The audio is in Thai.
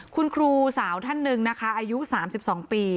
คุณครูสาวท่านหนึ่งนะคะอายุสามสิบสองปี